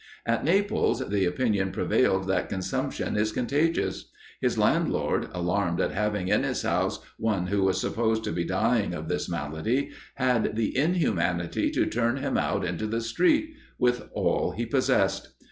At Naples, the opinion prevailed that consumption is contagious. His landlord, alarmed at having in his house one who was supposed to be dying of this malady, had the inhumanity to turn him out into the street, with all he possessed.